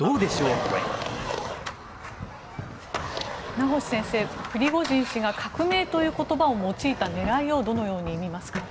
名越先生、プリゴジン氏が革命という言葉を用いた狙いをどのようにみますか？